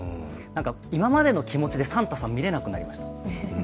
今までの気持ちでサンタさん見れなくなりました。